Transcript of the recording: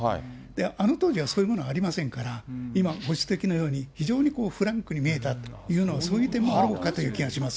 あの当時はそういうものはありませんから、今ご指摘のように、非常にフランクに見えたっていうのは、そういう点もあろうかと思います。